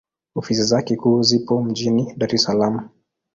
Ofisi zake kuu zipo mjini Dar es Salaam.